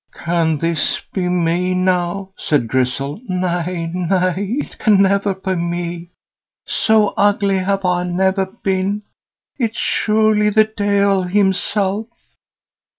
"Can this be me now?" said Grizzel. "Nay, nay! it can never be me. So ugly have I never been; it's surely the Deil himself?"